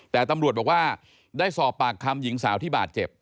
แต่ตำรวจบอกว่าได้สอบปากคำหญิงสาวที่บาดเจ็บ